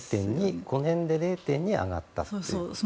５年で０．２上がったという。